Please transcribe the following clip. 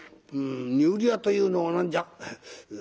「うん煮売り屋というのは何じゃ？」。